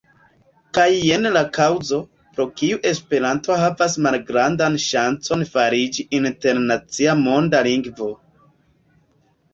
Kaj jen la kaŭzo, pro kiu Esperanto havas malgrandan ŝancon fariĝi internacia monda lingvo.